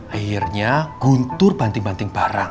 akhirnya guntur banting banting barang